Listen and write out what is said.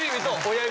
親指。